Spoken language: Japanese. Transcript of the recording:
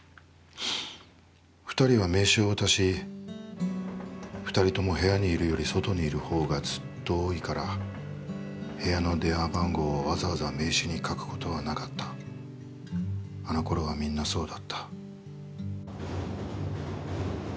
二人は名刺を渡し、二人とも部屋にいるより外にいる方がずっと多いから部屋の電話番号をわざわざ名刺に書くことはなかった、あの頃はみんなそうだった」。